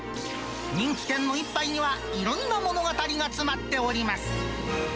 人気店の１杯には、いろんな物語が詰まっております。